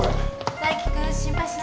大輝君心配しないでね。